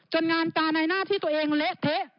งานการในหน้าที่ตัวเองเละเทะ